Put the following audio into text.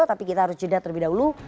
tapi kita harus jeda terlebih dahulu